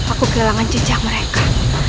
aku kehilangan jejak mereka